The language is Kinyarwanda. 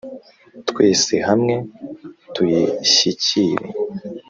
Twese hamwe tuyishyikire,